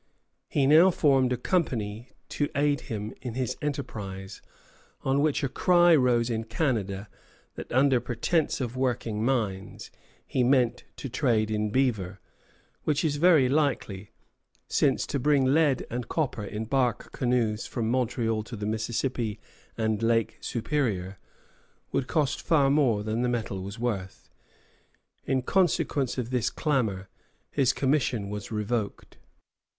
He now formed a company to aid him in his enterprise, on which a cry rose in Canada that under pretence of working mines he meant to trade in beaver, which is very likely, since to bring lead and copper in bark canoes to Montreal from the Mississippi and Lake Superior would cost far more than the metal was worth. In consequence of this clamor his commission was revoked.